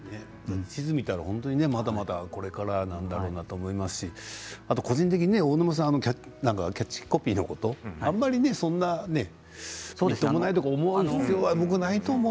地図を見たらまだまだこれからなんだろうなと思いますし個人的に大沼さん、キャッチコピーのことあまりそんなねみっともないとか思う必要は僕はないと思う。